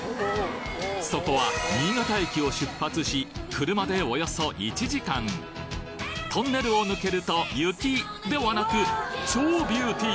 そこは新潟駅を出発し車でおよそ１時間トンネルを抜けると雪ではなく超ビューティー！